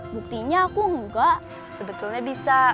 buktinya aku enggak sebetulnya bisa